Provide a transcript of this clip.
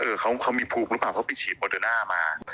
เออเขามีภูมิหรือเปล่าเขาไปฉีดโมเดอร์น่ามา